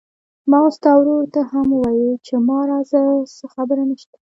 ما ستا ورور ته هم وويل چې ما راځه، څه خبره نشته.